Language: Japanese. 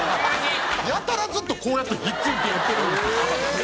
やたらずっとこうやって引っ付いてやってるんですよ。